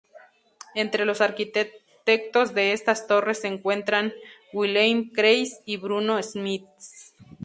Entre los arquitectos de estas torres se encuentran Wilhelm Kreis y Bruno Schmitz.